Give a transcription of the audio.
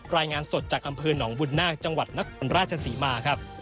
รายงานสดจากอำเภอหนองบุญนาคจังหวัดนครราชศรีมาครับ